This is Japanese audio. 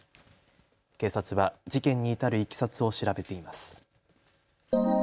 警察は事件に至るいきさつを調べています。